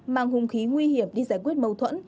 mang hùng khí nguy hiểm đi giải quyết mâu thuẫn